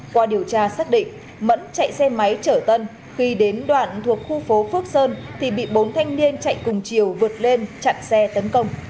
qua điều tra xác định mẫn chạy xe máy trở tân khi đến đoạn thuộc khu phố phước sơn thì bị bốn thanh niên chạy cùng chiều vượt lên chặn xe tấn công